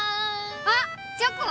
あっチョコ⁉